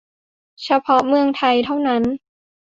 เฉพาะเมืองไทยเท่านั้น !